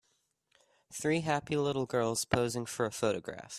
Three happy little girls posing for a photograph.